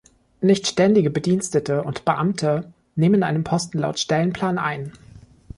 Nicht ständige Bedienstete und Beamte nehmen einen Posten laut Stellenplan ein.